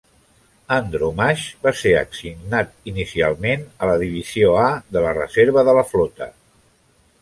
"Andromache" va ser assignat inicialment a la Divisió A de la reserva de la flota.